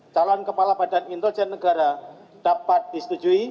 calon kepala bin dapat disetujui